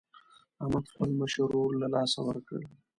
احمد خپل مشر ورور له لاسه ورکړ.